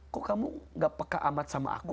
kok kamu gak peka amat sama aku